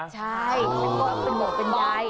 ใช่ฉันก็เป็นหมอกเป็นใบ